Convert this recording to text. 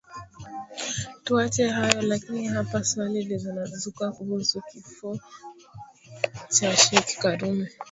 Tuache hayo lakini hapa swali linazuka kuhusiana na kifo cha Sheikh Karume